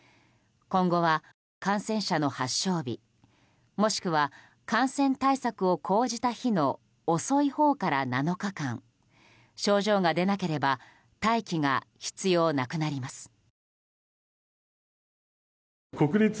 今後は、感染者の発症日もしくは、感染対策を講じた日の遅いほうから７日間症状が出なければ待機が必要なくなります。